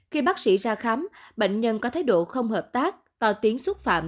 khi bác sĩ ra khám bệnh nhân có thái độ không hợp tác to tiếng xúc phạm